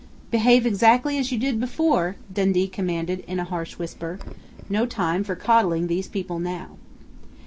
"Behave exactly as you did before!" Dundee commanded in a harsh whisper. No time for coddling these people now!